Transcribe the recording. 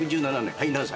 はい何歳？